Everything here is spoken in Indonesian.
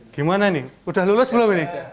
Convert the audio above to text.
gimana ini udah lulus belum ini